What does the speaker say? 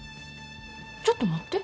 ちょっと待って。